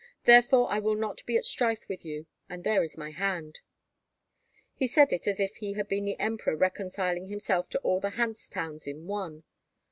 Therefore I will not be at strife with you, and there is my hand." He said it as if he had been the Emperor reconciling himself to all the Hanse towns in one.